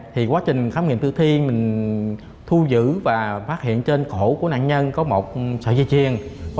thì quá trình khám nghiệm tử thi mình thu giữ và phát hiện trên cổ của nạn nhân có một sợi dây chuyền